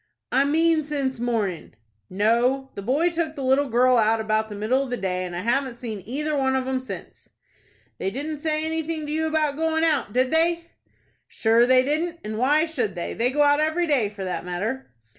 "I mean since morning." "No; the boy took the little girl out about the middle of the day, and I haven't seen either one of 'em since." "They didn't say anything to you about going out, did they?" "Shure they didn't, and why should they? They go out every day, for that matter."